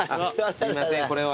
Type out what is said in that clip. すいませんこれを。